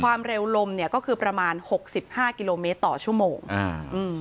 ความเร็วลมเนี้ยก็คือประมาณหกสิบห้ากิโลเมตรต่อชั่วโมงอ่าอืม